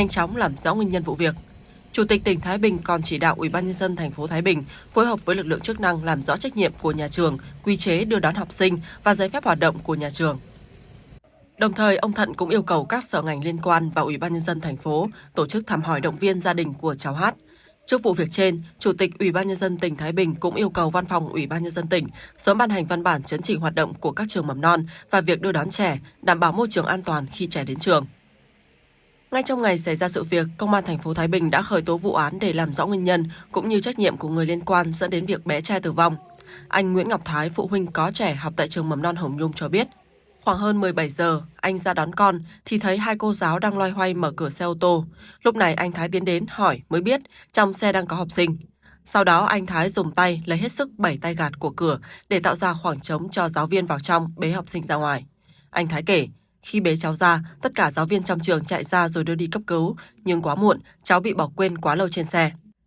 anh nguyễn ngọc thái phụ huynh có trẻ học tại trường mầm non hồng nhung cho biết khoảng hơn một mươi bảy giờ anh ra đón con thì thấy hai cô giáo đang loay hoay mở cửa xe ô tô lúc này anh thái tiến đến hỏi mới biết trong xe đang có học sinh sau đó anh thái dùng tay lấy hết sức bẩy tay gạt của cửa để tạo ra khoảng trống cho giáo viên vào trong bế học sinh ra ngoài anh thái kể khi bế cháu ra tất cả giáo viên trong trường chạy ra rồi đưa đi cấp cứu nhưng quá muộn cháu bị bỏ quên quá lâu trên xe